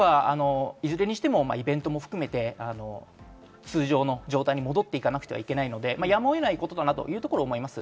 イベントも含めて通常の状態に戻っていかなくてはいけないので、やむを得ないことだと思います。